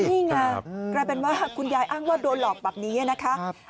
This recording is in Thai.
นี่ไงกลายเป็นว่าคุณยายอ้างว่าโดนหลอกแบบนี้นะคะ